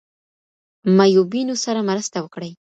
معیوبینو سره مرسته وکړئ.